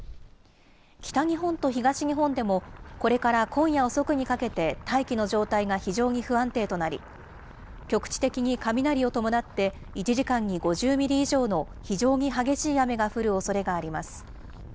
北日本と東日本でも、これから今夜遅くにかけて大気の状態が非常に不安定となり、局地的に雷を伴って、１時間に５０ミリ以上の非常に激しい雨が降るおそれがあります。